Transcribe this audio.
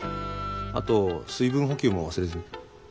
あと水分補給も忘れずに。